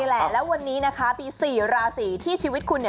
นี่แหละและวันนี้นะคะมี๔ราศิทธิ์ที่ชีวิตคุณ